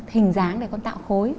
hình dáng để con tạo khối